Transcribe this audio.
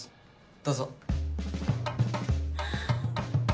どうぞ。